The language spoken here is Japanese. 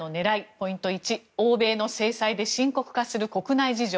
ポイント１、欧米の制裁で深刻化する国内事情。